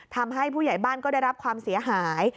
ทำให้ผู้ใหญ่บ้านก็ได้รับความเสียหาย